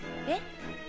えっ？